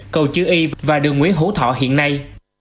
cầu chứ y và đường nguyễn hữu thọ hiện nay